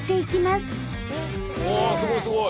すごいすごい。